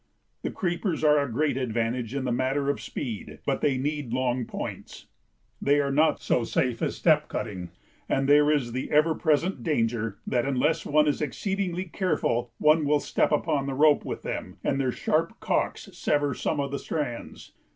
The creepers are a great advantage in the matter of speed, but they need long points. They are not so safe as step cutting, and there is the ever present danger that unless one is exceedingly careful one will step upon the rope with them and their sharp calks sever some of the strands.